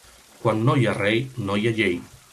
Quan no hi ha rei, no hi ha llei.